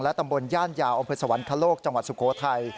และตำบลย่านยาวอมพฤษวรรณคลโลกจังหวัดสุโขทัย